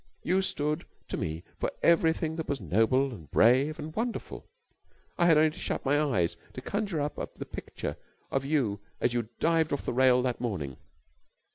You stood to me for everything that was noble and brave and wonderful. I had only to shut my eyes to conjure up the picture of you as you dived off the rail that morning.